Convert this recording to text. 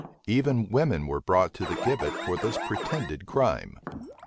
[] Even women were brought to the gibbet for this pretended crime.